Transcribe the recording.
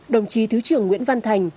đồng chí thứ trưởng nguyễn văn thành